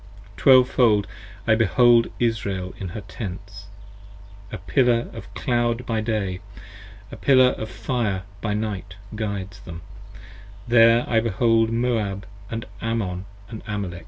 Twelvefold 1 there behold Israel in her Tents. , A Pillar of a Cloud by day: a Pillar of fire by night Guides them: there I behold Moab & Ammon & Amalek.